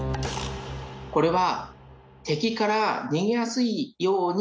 これは。